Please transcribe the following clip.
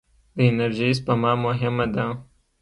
د انرژۍ سپما مهمه ده.